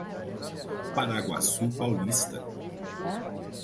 Paraguaçu Paulista